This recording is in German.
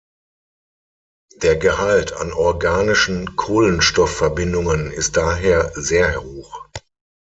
Der Gehalt an organischen Kohlenstoffverbindungen ist daher sehr hoch.